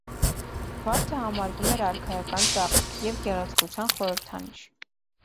Վարդը համարվում էր արքայական ծաղիկ և գեղեցկության խորհրդանիշ։